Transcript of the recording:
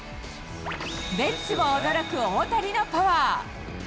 ベッツも驚く大谷のパワー。